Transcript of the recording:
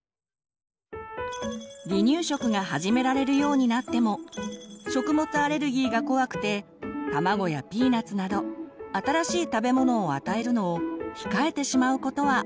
離乳食が始められるようになっても食物アレルギーが怖くて卵やピーナツなど新しい食べ物を与えるのを控えてしまうことはありませんか？